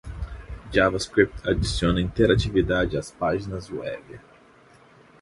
JavaScript adiciona interatividade às páginas web.